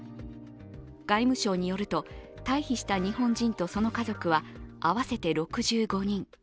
外務省によると、退避した日本人とその家族は合わせて６５人。